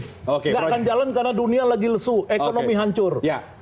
tidak akan jalan karena dunia lagi lesu ekonomi hancur